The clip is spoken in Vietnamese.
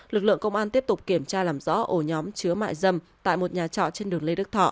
lực lượng công an tiếp tục kiểm tra làm rõ ổ nhóm chứa mại dâm tại một nhà trọ trên đường lê đức thọ